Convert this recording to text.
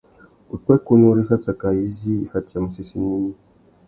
Upwêkunú râ issassaka izí i fatiyamú séssénô ignï.